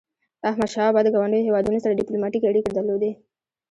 احمدشاه بابا د ګاونډیو هیوادونو سره ډیپلوماټيکي اړيکي درلودی.